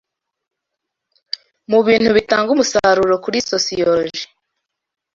mu bintu bitanga umusaruro kuri sosiorogi